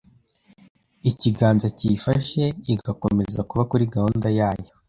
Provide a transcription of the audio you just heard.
ikiganza kiyifashe igakomeza kuba kuri gahunda yayo